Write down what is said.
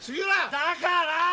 だから！